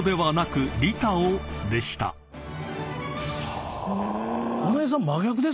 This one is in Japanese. はぁ。